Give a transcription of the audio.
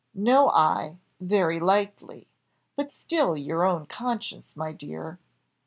"No eye! very likely; but still your own conscience, my dear!"